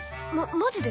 ママジで！？